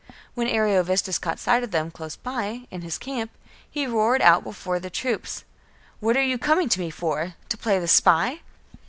When Ariovistus caught sight of them, close by, in his camp, he roared out before the troops, "What are you coming to me for? To play the spy?"